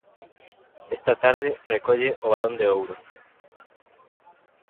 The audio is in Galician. Esta tarde recolle o Balón de Ouro.